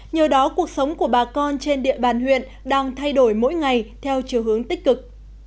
nhờ đó cuộc sống của bà con trên địa bàn huyện đang thay đổi mỗi ngày theo chiều hướng tích cực